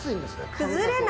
崩れない。